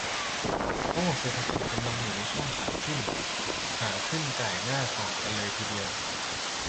"โอ้เศรษฐกิจกำลังอยู่ในช่วงขาขึ้น" "ขาขึ้นก่ายหน้าฝากเลยทีเดียว"